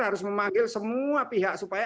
harus memanggil semua pihak supaya